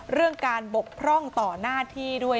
เรื่องการบกพร่องต่อหน้าที่ด้วย